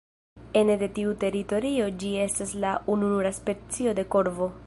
Ene de tiu teritorio ĝi estas la ununura specio de korvo.